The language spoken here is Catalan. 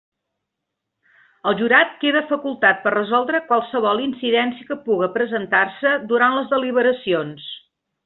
El jurat queda facultat per a resoldre qualsevol incidència que puga presentar-se durant les deliberacions.